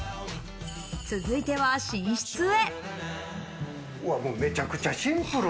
続いては寝室へ。